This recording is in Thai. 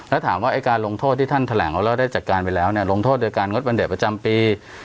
แล้วถามว่าไอ้การลงโทษที่ท่านแถลงเอาแล้วได้จัดการไปแล้วเนี่ยลงโทษโดยการงดวันเด็กประจำปี